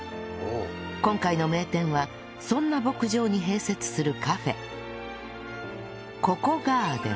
今回の名店はそんな牧場に併設するカフェ